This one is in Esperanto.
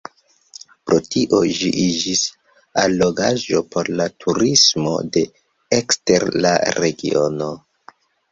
Pro tio ĝi iĝis allogaĵo por la turismo de ekster la regiono.